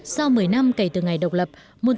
sau một mươi năm kể từ ngày độc lập